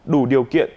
đủ điều kiện